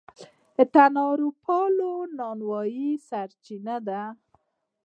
تنور د پالو نانو سرچینه ده